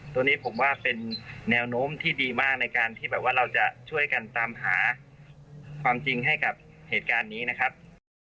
ตรงนี้ผมว่าเป็นแนวโน้มที่ดีมากในการที่แบบว่าเราจะช่วยกันตามหาความจริงให้กับเหตุการณ์นี้นะครับ